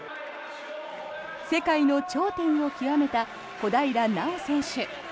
世界の頂点を極めた小平奈緒選手。